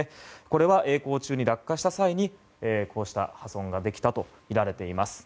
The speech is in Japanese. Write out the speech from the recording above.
これは曳航中に落下した際にこうした破損ができたとみられています。